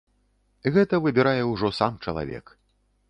Гэта выбірае ўжо сам чалавек.